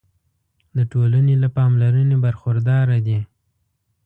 د ټولنې له پاملرنې برخورداره دي.